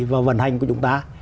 và vận hành của chúng ta